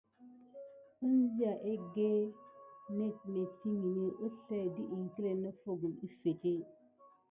Enziya egge ged nettiŋgini əslay dət iŋkle noffo gum əffete.